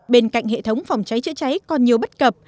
bên cạnh hệ thống phòng cháy chữa cháy còn nhiều bất cập